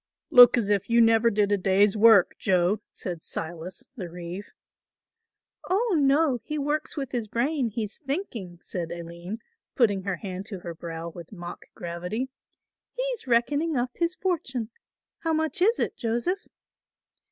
"Look as if you never did a day's work, Joe," said Silas, the reeve. "Oh, no, he works with his brain, he's thinking," said Aline, putting her hand to her brow with mock gravity. "He's reckoning up his fortune. How much is it, Joseph?"